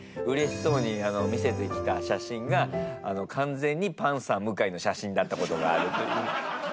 うれしそうに見せてきた写真が完全にパンサー向井の写真だったことがあるという。